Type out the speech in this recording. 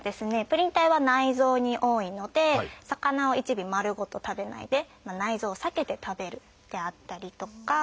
プリン体は内臓に多いので魚を一尾丸ごと食べないで内臓を避けて食べるであったりとか。